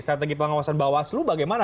strategi pengawasan bawaslu bagaimana